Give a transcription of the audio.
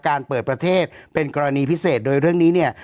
เปิดประเทศเป็นกรณีพิเศษโดยเรื่องนี้เนี่ย